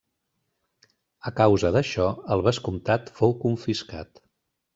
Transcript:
A causa d'això el vescomtat fou confiscat.